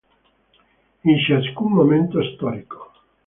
In ciascun momento storico